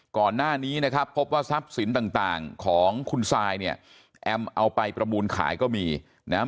ก่อนหน้านี้นะครับพบว่าทรัพย์สินต่างต่างของคุณซายเนี่ยแอมเอาไปประมูลขายก็มีนะครับ